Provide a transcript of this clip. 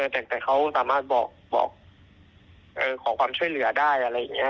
แต่เขาสามารถบอกขอความช่วยเหลือได้อะไรอย่างนี้